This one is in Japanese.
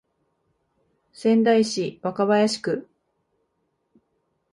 仙台市若林区